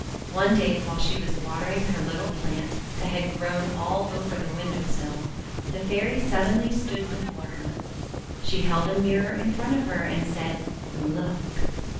One day, while she was watering her little plant that had grown all over the window sill, the Fairy suddenly stood before her. She held a mirror in front of her and said :— "Look!"